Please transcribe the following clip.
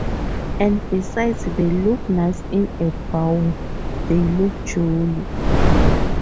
And besides, they look nice in a bowl — they look jolly.